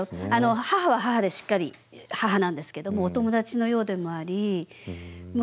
母は母でしっかり母なんですけどもお友達のようでもありもう